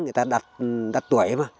người ta đặt tuổi mà